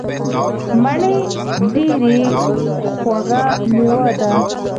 مڼې ډیره خوږه میوه ده.